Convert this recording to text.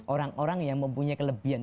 orang orang yang mempunyai kelebihan